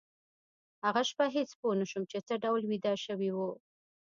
هغه شپه هېڅ پوه نشوم چې څه ډول ویده شوي وو